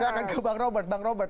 saya akan ke bang robert bang robert